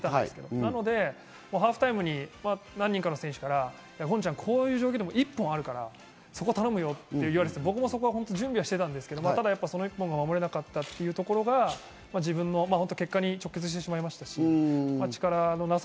なのでハーフタイムに何人かの選手から権ちゃん、こういう状況でも一本あるから、そこ頼むよって言われていて、僕もそこは準備していたんですけど、その１本が守れなかったっていうところが、自分の結果に直結してしまいましたし。